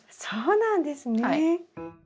そうなんですね。